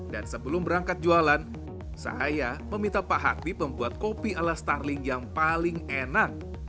dan sebelum berangkat jualan saya meminta pak hatip membuat kopi ala starling yang paling enak